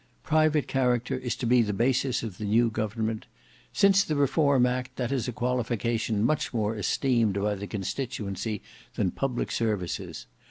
Private character is to be the basis of the new government. Since the Reform Act that is a qualification much more esteemed by the constituency than public services.